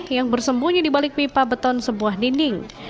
yang bersembunyi di balik pipa beton sebuah dinding